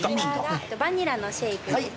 バニラのシェイクです。